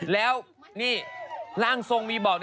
แล้วนี่ร่างทรงมีบอก